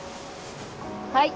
はい。